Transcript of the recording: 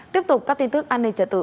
tiếp tục các tin tức an ninh trật tự